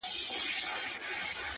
تا پاکه كړې ده، له هر رنگه غبار کوڅه~